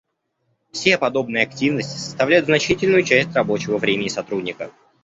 Все подобные активности составляют значительную часть рабочего времени сотрудника